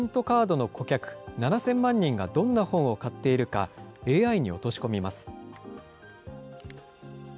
カードの顧客７０００万人がどんな本を買っているかＡＩに落とし込みます。